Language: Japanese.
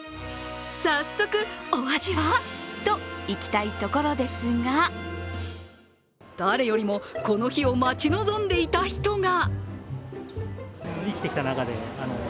早速、お味はといきたいところですが誰よりもこの日を待ち望んでいた人が。